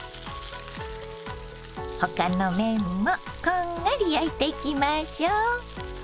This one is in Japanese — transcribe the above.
他の面もこんがり焼いていきましょう。